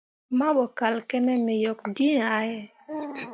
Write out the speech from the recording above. Mahbo kal kǝne me yok dǝ̃ǝ̃ yah ye.